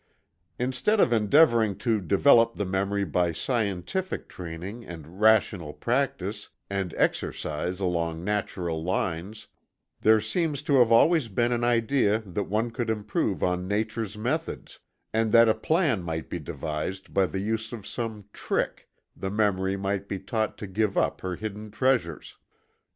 Instead of endeavoring to develop the memory by scientific training and rational practice and exercise along natural lines, there seems to have always been an idea that one could improve on Nature's methods, and that a plan might be devised by the use of some "trick" the memory might be taught to give up her hidden treasures.